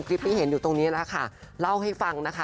ที่เห็นอยู่ตรงนี้แหละค่ะเล่าให้ฟังนะคะ